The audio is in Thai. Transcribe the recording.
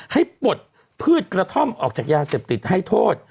ปลดพืชกระท่อมออกจากยาเสพติดให้โทษ